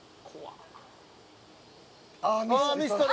あーミストだ。